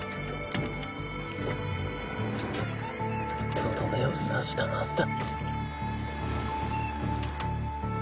とどめを刺したはずだ。